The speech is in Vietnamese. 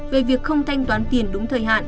về việc không thanh toán tiền đúng thời hạn